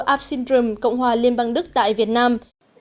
ab syndrome cộng hòa liên bang đức tại việt nam